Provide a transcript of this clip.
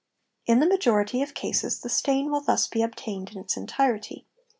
In the majority of cases the stain will _ thus be obtained in its entirety.